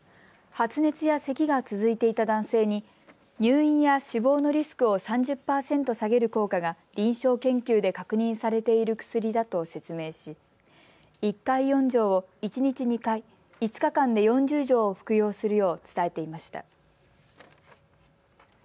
発熱やせきが続いていた男性に入院や死亡のリスクを３０％下げる効果が臨床研究で確認されている薬だと説明し１回４錠を一日２回、５日間で４０錠を服用するよう伝えていました。